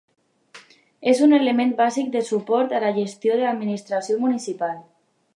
És un element bàsic de suport a la gestió de l'administració municipal.